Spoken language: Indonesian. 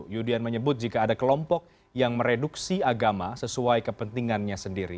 yudian menyebut jika ada kelompok yang mereduksi agama sesuai kepentingannya sendiri